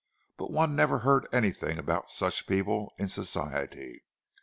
But one never heard anything about such people in Society.